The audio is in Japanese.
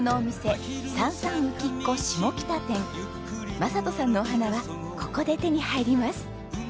正人さんのお花はここで手に入ります。